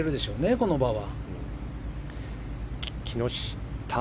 この場は。